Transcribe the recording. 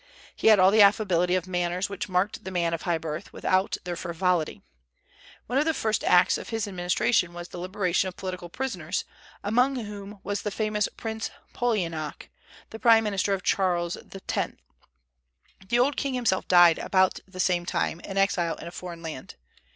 He had all the affability of manners which marked the man of high birth, without their frivolity. One of the first acts of his administration was the liberation of political prisoners, among whom was the famous Prince Polignac, the prime minister of Charles X. The old king himself died, about the same time, an exile in a foreign land.